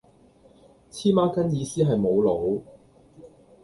黐孖根意思係無腦